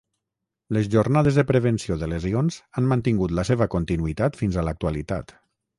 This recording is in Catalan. Les jornades de prevenció de lesions han mantingut la seva continuïtat fins a l'actualitat.